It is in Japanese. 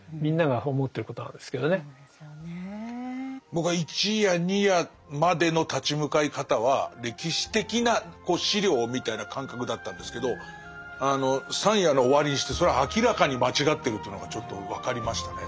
僕は１夜２夜までの立ち向かい方は歴史的な資料みたいな感覚だったんですけどあの３夜の終わりにしてそれは明らかに間違ってるというのがちょっと分かりましたね。